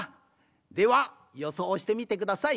ではよそうしてみてください。